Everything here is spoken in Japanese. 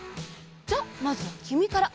じゃあまずはきみから！